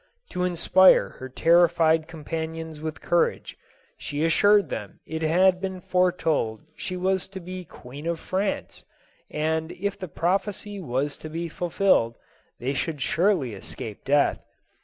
To inspire her terrified companions with courage, she assured them it had been foretold she was to be Queen of France, and if the prophecy was to be fulfilled, they should surely escape death.